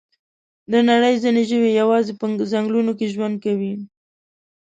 د نړۍ ځینې ژوي یوازې په ځنګلونو کې ژوند کوي.